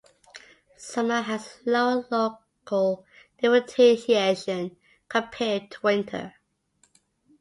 Summer has a lower local differentiation compared to winter.